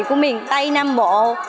của miền tây nam bộ